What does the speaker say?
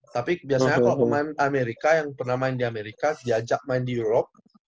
tapi biasanya kalau pemain amerika yang pernah main di amerika diajak main di europe